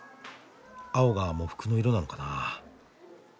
青が喪服の色なのかな。